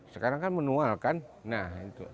sekarang kan manual kan nah itu